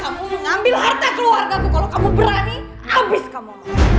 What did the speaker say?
aku mengambil harta keluarga aku kalau kamu berani abis kamu